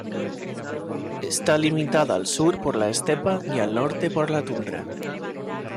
Está limitada al sur por la estepa y al norte por la tundra.